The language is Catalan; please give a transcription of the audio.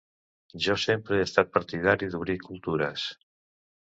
Jo sempre he estat partidari d’obrir cultures.